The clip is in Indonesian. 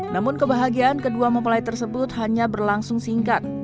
namun kebahagiaan kedua mempelai tersebut hanya berlangsung singkat